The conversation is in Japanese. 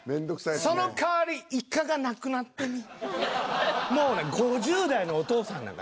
そのかわりイカがなくなってみ。